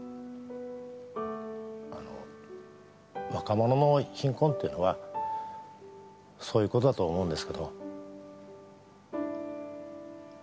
あの若者の貧困っていうのはそういう事だと思うんですけど。